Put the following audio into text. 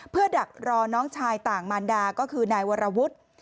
เพื่อดักรอน้องชายต่างมารดาก็คือนายวรวุฒิ